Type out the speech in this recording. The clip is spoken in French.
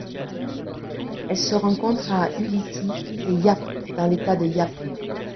Elle se rencontre à Ulithi et Yap dans l'État de Yap.